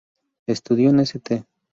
Estudió en "St.